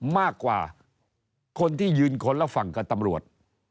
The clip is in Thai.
มากกว่าคนที่ยืนคนละฝั่งกับตำรวจ